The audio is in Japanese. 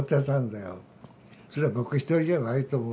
それは僕１人じゃないと思う。